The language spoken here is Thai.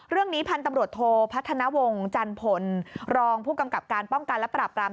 เรื่องนี้พันธุ์ตำรวจโทพัฒนาวงศ์จันพลรองผู้กำกับการป้องกันและปราบราม